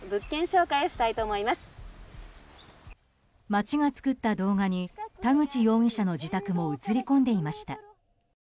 町が作った動画に田口容疑者の自宅も映り込んでいました。